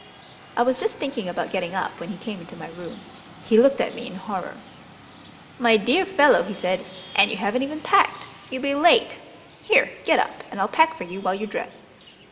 I was just thinking about getting up when he came into my room. He looked at me in horror. "My dear fellow!" he said. "And you haven't even packed! You'll be late. Here, get up, and I'll pack for you while you dress."